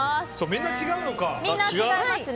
みんな違うのか。